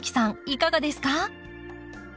いかがですか？